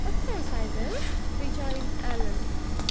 "Of course I will!" rejoined Allan.